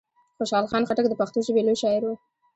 خوشحال خان خټک د پښتو ژبي لوی شاعر وو.